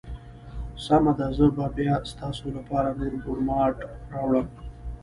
سمه ده، زه به بیا ستاسو لپاره نور ورماوټ راوړم.